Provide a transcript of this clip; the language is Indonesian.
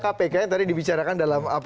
kpk yang tadi dibicarakan dalam